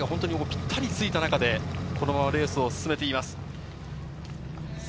この２人が本当にぴったりついた中でこのままレースを進めています。